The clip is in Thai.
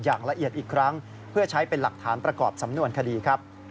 อย่างละเอียดอีกครั้งเพื่อใช้เป็นหลักฐานประกอบสำนวนคดีครับ